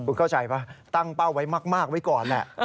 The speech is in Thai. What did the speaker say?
คุณเข้าใจป่ะตั้งเป้าไว้มากไว้ก่อนแหละ